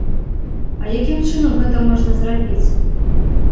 А якім чынам гэта можна зрабіць?